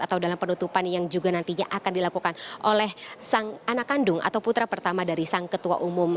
atau dalam penutupan yang juga nantinya akan dilakukan oleh sang anak kandung atau putra pertama dari sang ketua umum